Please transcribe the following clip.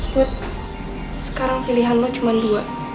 buat sekarang pilihanmu cuma dua